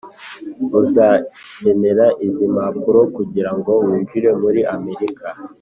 Uzakenera izi mpapuro kugira ngo winjire muri Amerika.